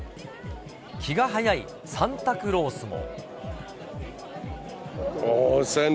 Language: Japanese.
気が早いサンタクロースも。